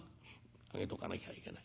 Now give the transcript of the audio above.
上げとかなきゃいけない。